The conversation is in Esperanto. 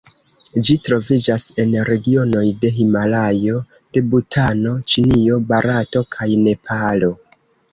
Ĝi troviĝas en regionoj de Himalajo de Butano, Ĉinio, Barato kaj Nepalo.